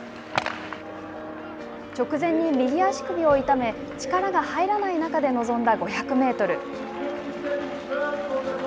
直前に右足首を痛め力が入らない中で臨んだ５００メートル。